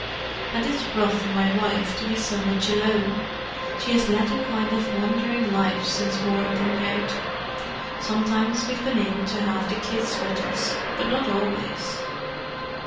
And it's rough on my wife to be so much alone. She has led a kind of wandering life since war broke out—sometimes we've been able to have the kids with us, but not always."